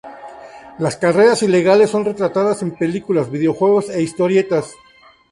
Las carreras ilegales son retratadas en películas, videojuegos e historietas.